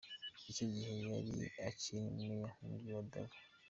Icyo gihe yari akiri meya w’umujyi wa Davao.